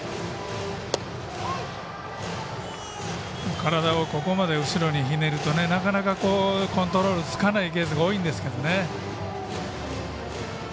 体をここまで後ろにひねるとなかなかコントロールつかないケースが多いんですけどね。